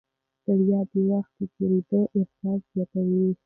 ستړیا د وخت د تېري احساس زیاتوي.